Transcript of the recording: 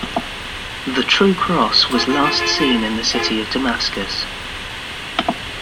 The True Cross was last seen in the city of Damascus.